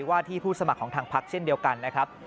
ว่าที่ผู้สมัครของทางพักเช่นเดียวกันนะครับ